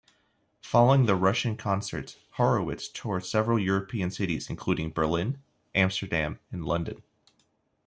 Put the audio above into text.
Following the Russian concerts, Horowitz toured several European cities including Berlin, Amsterdam, and London.